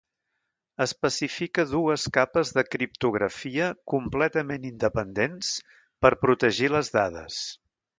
Especifica dues capes de criptografia completament independents per protegir les dades.